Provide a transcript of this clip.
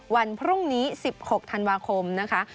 วันพรุ่งนี้๑๖ธันวาคมนะคะ